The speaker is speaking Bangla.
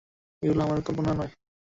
এগুলো আমার কল্পনা নয়!